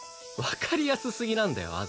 わかりやすすぎなんだよ